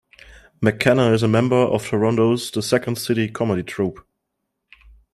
McKenna is a member of Toronto's "The Second City" comedy troupe.